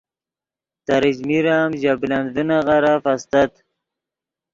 تریچمیر ام ژے بلند ڤینغیرف استت